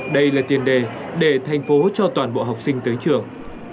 đây là tiền đề để thành phố cho toàn bộ học sinh tới trường